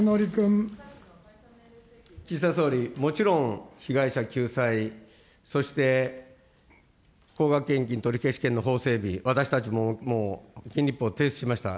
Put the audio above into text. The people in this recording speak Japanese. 岸田総理、もちろん被害者救済、そして高額献金取消権の法整備、私たちももう、議員立法提出しました。